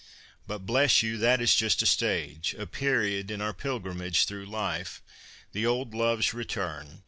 But, bless you ! that is just a stage — a period in our pilgrimage through life. The old loves return.